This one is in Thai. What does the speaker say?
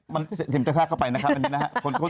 มันเข็มกระแทกเข้าไปนะครับอันนี้นะครับ